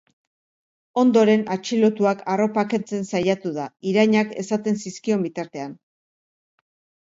Ondoren atxilotuak arropa kentzen saiatu da, irainak esaten zizkion bitartean.